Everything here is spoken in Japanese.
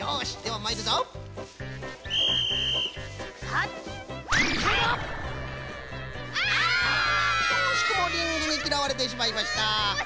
おしくもリングにきらわれてしまいました。